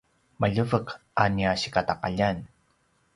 maljeveq a nia sikataqaljan